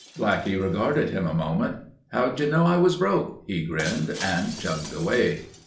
Blackie regarded him a moment. "How'd you know I was broke?" he grinned, and chugged away.